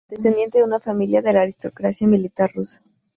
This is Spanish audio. Descendiente de una familia de la aristocracia militar rusa.